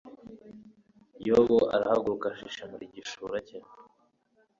yobu arahaguruka, ashishimura igishura cye